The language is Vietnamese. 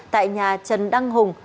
tại nhà trần đăng hùng